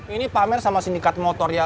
ini pamer sama sindikat motor ya